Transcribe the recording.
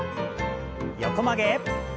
横曲げ。